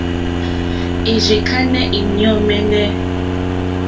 Èrzì kánɛ́ íɲɔ̂ mɛ́nɛ́.